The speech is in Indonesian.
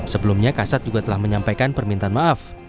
sebelumnya kasat juga telah menyampaikan permintaan maaf